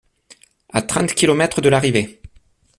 À trente kilomètres de l'arrivée.